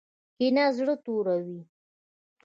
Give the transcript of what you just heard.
کینه زړه توروي